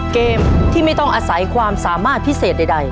เกมที่ไม่ต้องอาศัยความสามารถพิเศษใด